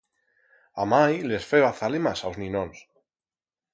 A mai les feba zalemas a os ninons.